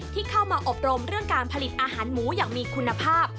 ที่เข้ามาอบรมเรื่องการผลิตอาหารหมูอย่างมีคุณภาพ